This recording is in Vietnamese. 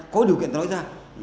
có điều kiện cho nói ra